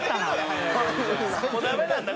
山崎：もうダメなんだね